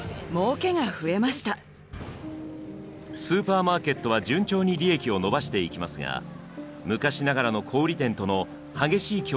スーパーマーケットは順調に利益を伸ばしていきますが昔ながらの小売店との激しい競争が続いていました。